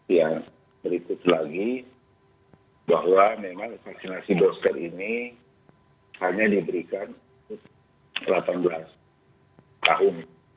yang berikut lagi bahwa memang vaksin vaksin booster ini hanya diberikan delapan belas tahun